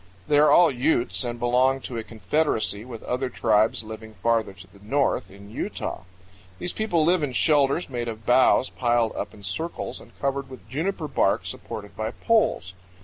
They are all Utes and belong to a confederacy with other tribes living farther to the north, in Utah. These people live in shelters made of boughs piled up in circles and covered with juniper bark supported by poles.